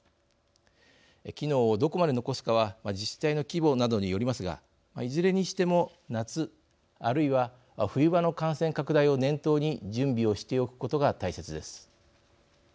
機能をどこまで残すかは自治体の規模などによりますがいずれにしても夏あるいは冬場の感染拡大を念頭に準備をしておくことが大切です。